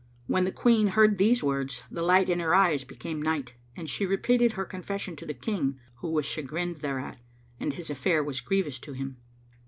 When the Queen heard these her words, the light in her eyes became night and she repeated her confession to the King who was chagrined thereat and his affair was grievous to him.